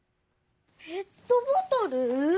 ペットボトル？